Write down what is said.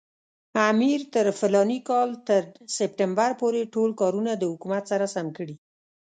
امیر تر فلاني کال تر سپټمبر پورې ټول کارونه د حکومت سره سم کړي.